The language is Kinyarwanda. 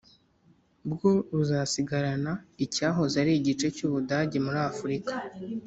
Bwo buzasigarana icyahoze ari igice cy u budage muri afurika